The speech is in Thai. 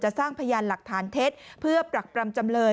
สร้างพยานหลักฐานเท็จเพื่อปรักปรำจำเลย